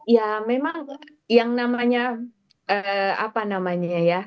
ya memang yang namanya apa namanya ya